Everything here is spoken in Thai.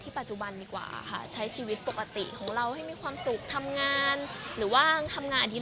ปัจจุบันดีกว่าค่ะใช้ชีวิตปกติของเราให้มีความสุขทำงานหรือว่าทำงานที่